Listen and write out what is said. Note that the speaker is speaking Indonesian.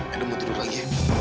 edo mau tidur lagi